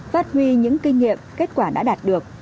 phát huy những kinh nghiệm kết quả đã đạt được